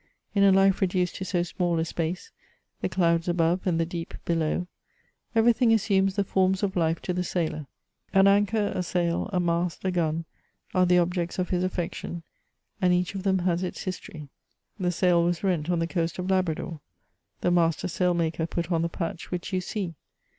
In a life reduced to so small a space, the clouds above and the deep below, every thing assumes the forms of life to the sailor : an anchor, a sail, a mast, a gun, are the objects of his affection, and each of them has its history. The sail was rent on the coast of Labrador ; the master sail maker put on the patch which you see.